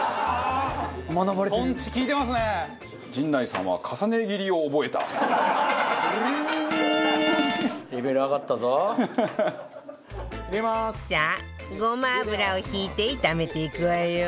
さあごま油を引いて炒めていくわよ